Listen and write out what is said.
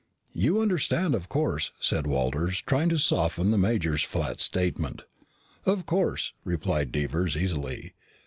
"You understand, of course," said Walters, trying to soften the major's flat statement. "Of course," replied Devers easily.